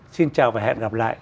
xin chào và hẹn gặp lại